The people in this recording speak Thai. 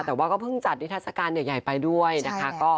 แต่ว่าก็เพิ่งจัดนิทัศกาลใหญ่ไปด้วยนะคะ